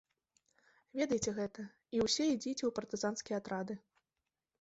Ведайце гэта, і ўсе ідзіце ў партызанскія атрады.